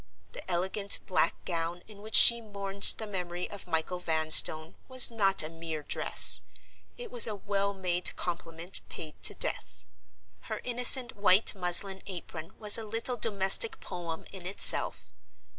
The elegant black gown in which she mourned the memory of Michael Vanstone was not a mere dress—it was a well made compliment paid to Death. Her innocent white muslin apron was a little domestic poem in itself.